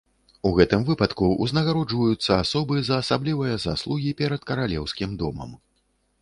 У гэтым выпадку ўзнагароджваюцца асобы за асаблівыя заслугі перад каралеўскім домам.